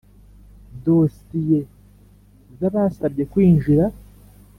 Dosiye z’ abasabye kwinjira .